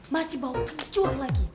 masih bau kencur lagi